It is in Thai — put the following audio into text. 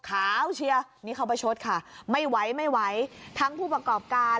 ขาวเชียร์นี่เขาประชดค่ะไม่ไหวไม่ไหวทั้งผู้ประกอบการ